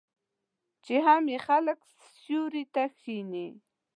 چې هم یې خلک سیوري ته کښیني.